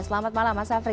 selamat malam mas afri